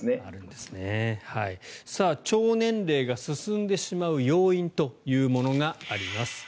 腸年齢が進んでしまう要因というものがあります。